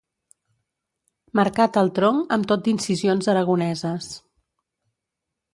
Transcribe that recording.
Marcat al tronc amb tot d'incisions aragoneses.